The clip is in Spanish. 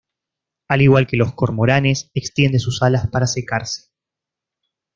Al igual que los cormoranes, extiende sus alas para secarse.